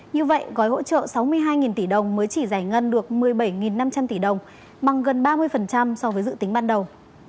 như vậy gói hỗ trợ sáu mươi hai tỷ đồng mới chỉ giải ngân được một mươi bảy năm trăm linh tỷ đồng bằng gần ba mươi so với dự tính ban đầu